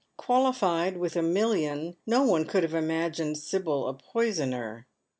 Qualified with a million, no one could have imagined Sibyl a poisoner.